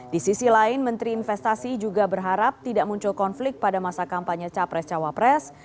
di sisi lain menteri investasi juga berharap tidak muncul konflik pada masa kampanye capres cawapres